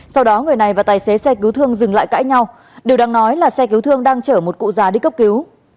sau đó người này và tài xế xe cứu thương dừng lại cãi nhau điều đáng nói là xe cứu thương đang chở một cụ già đi cấp cứu